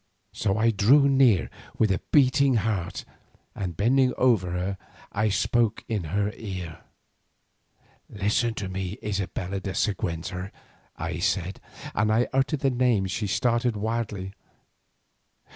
So I drew near with a beating heart, and bending over her I spoke in her ear. "Listen to me, Isabella de Siguenza!" I said; and as I uttered the name she started wildly.